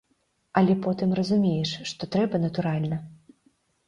Але потым разумееш, што трэба натуральна.